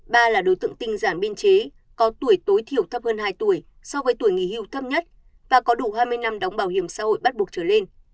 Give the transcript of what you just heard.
ba là đối tượng tinh giản biên chế có tuổi tối thiểu thấp hơn hai tuổi so với tuổi nghỉ hưu thấp nhất và có đủ hai mươi năm đóng bảo hiểm xã hội bắt buộc trở lên